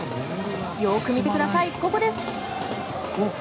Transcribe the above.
よーく見てください、ここです。